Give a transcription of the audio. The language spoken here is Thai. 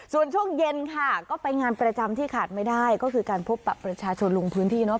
ส่วนช่วงเย็นค่ะก็ไปงานประจำที่ขาดไม่ได้ก็คือการพบปรับประชาชนลงพื้นที่เนาะ